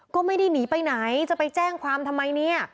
ก็ไม่ได้หนีไปไหนจะไปแจ้งความทำไมเนี่ย